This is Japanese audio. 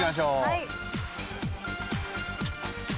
はい。